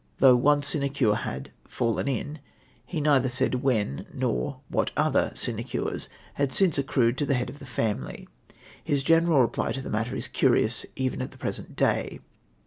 Thouo h one sinecm'e had " fallen in," he neither said when, nor what other sinecures had since accrued to the head of the family. Hjs general reply to the matter is curious even at the present day.